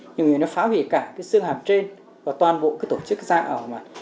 nhiều người nó phá hủy cả cái xương hạp trên và toàn bộ cái tổ chức da ở mặt